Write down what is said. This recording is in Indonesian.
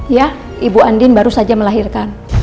ya ibu andin baru saja melahirkan